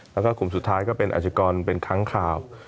แล้วก็กลุ่มสุดท้ายก็เป็นอาชิกรเป็นค้างข่าว